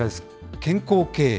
健康経営。